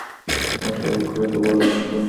ওর স্বপক্ষে কিছু বলার মতো নেই তাহলে!